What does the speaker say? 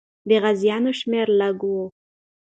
د غازیانو شمېر لږ وو.